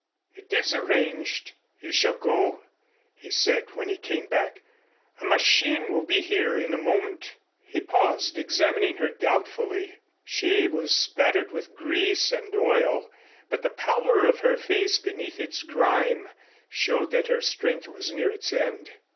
"It is arranged. You shall go," he said when he came back. "A machine will be here in a moment." He paused, examining her doubtfully. She was spattered with grease and oil, but the pallor of her face beneath its grime showed that her strength was near its end.